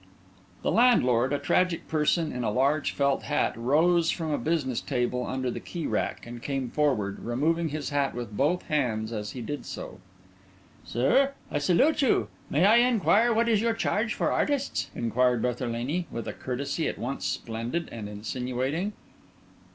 The landlord, a tragic person in a large felt hat, rose from a business table under the key rack, and came forward, removing his hat with both hands as he did so. "Sir, I salute you. May I inquire what is your charge for artists?" inquired Berthelini, with a courtesy at once splendid and insinuating.